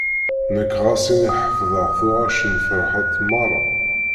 Nekk ɣas ini ḥefḍeɣ tuɣac n Ferḥat merra.